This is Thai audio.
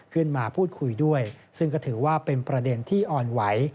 ขึ้นมาพูดคุยด้วยซึ่งก็ถือว่าเป็นประเด็นที่อ่อนไหว